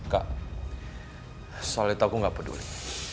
kak soalnya tau aku gak peduli